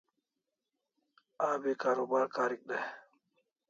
Abi karubar karik day